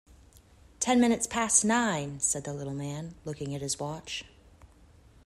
Ten minutes past nine!’ said the little man, looking at his watch.